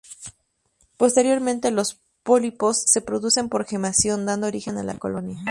Posteriormente, los pólipos se reproducen por gemación, dando origen a la colonia.